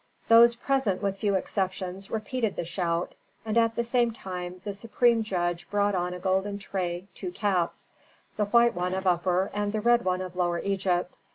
Those present, with few exceptions, repeated the shout, and at the same time the supreme judge brought on a golden tray two caps: the white one of Upper, and the red one of Lower Egypt.